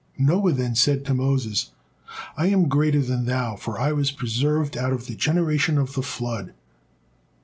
Noah then said to Moses: "I am greater than thou, for I was preserved out of the generation of the flood."